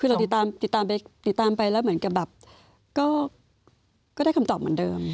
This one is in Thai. คือเราติดตามไปติดตามไปแล้วเหมือนกับแบบก็ได้คำตอบเหมือนเดิม